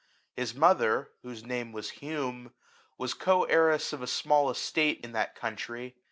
His mother, whose name was Hume, was co heiress of a small estate in that country.